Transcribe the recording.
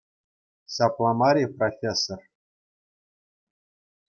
Ҫапла мар-и, профессор?